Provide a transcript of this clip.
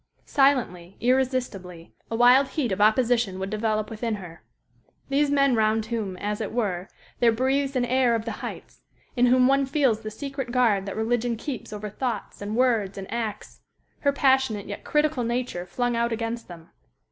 Silently, irresistibly, a wild heat of opposition would develop within her. These men round whom, as it were, there breathes an air of the heights; in whom one feels the secret guard that religion keeps over thoughts and words and acts her passionate yet critical nature flung out against them.